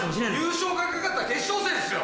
優勝が懸かった決勝戦っすよ！